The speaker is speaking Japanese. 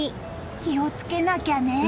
気をつけなきゃね。